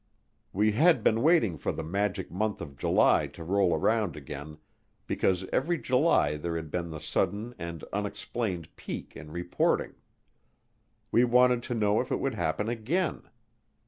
We had been waiting for the magic month of July to roll around again because every July there had been the sudden and unexplained peak in reporting; we wanted to know if it would happen again.